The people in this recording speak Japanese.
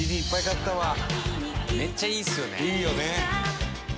いいよね。